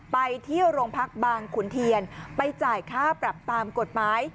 ไปที่โรงพักบางขุนเทียนไปจ่ายค่าปรับตามกฎหมาย